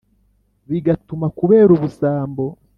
Bigatumba kubera ubusambo